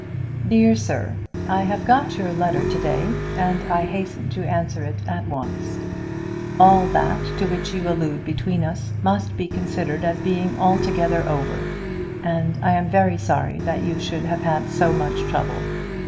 DEAR SIR, I have got your letter to day, and I hasten to answer it at once. All that to which you allude between us must be considered as being altogether over, and I am very sorry that you should have had so much trouble.